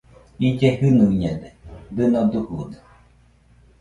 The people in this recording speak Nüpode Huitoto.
Ille jɨnuiñede, dɨno dujude